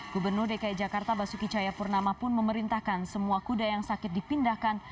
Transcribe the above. gubernur dki jakarta basuki cayapurnama pun memerintahkan semua kuda yang sakit dipindahkan